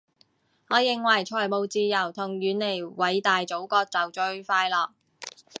我認為財務自由同遠離偉大祖國就最快樂